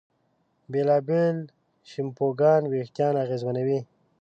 بېلابېل شیمپوګان وېښتيان اغېزمنوي.